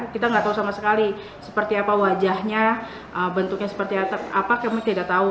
kita nggak tahu sama sekali seperti apa wajahnya bentuknya seperti apa kami tidak tahu